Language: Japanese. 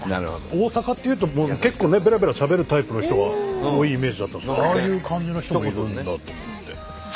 大阪っていうと結構ねベラベラしゃべるタイプの人が多いイメージだったんですけどああいう感じの人がいるんだと思って。